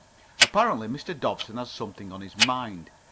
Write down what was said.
Apparently Mr. Dobson had something on his mind.